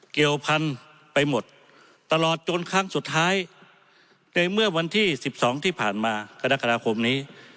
เกี่ยวพันธุ์ไปหมดตลอดจนครั้งสุดท้ายในเมื่อวันที่๑๒ที่ผ่านมากรกฎาคมนี้